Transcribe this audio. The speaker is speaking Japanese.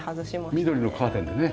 緑のカーテンでね。